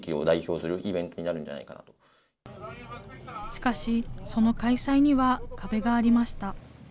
しかし、その開催には壁がありました。